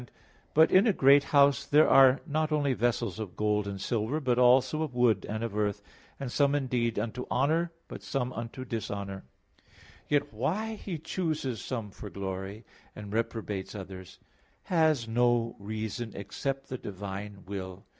2:20): "But in a great house there are not only vessels of gold and silver; but also of wood and of earth; and some, indeed, unto honor, but some unto dishonor." Yet why He chooses some for glory, and reprobates others, has no reason, except the divine will.